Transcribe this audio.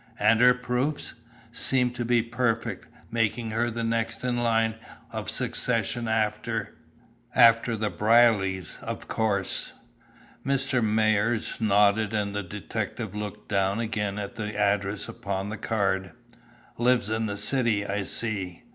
"And her proofs?" "Seem to be perfect, making her the next in line of succession after " "After the Brierlys, of course." Mr. Myers nodded and the detective looked down again at the address upon the card. "Lives in the city, I see!